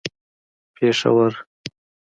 پېښور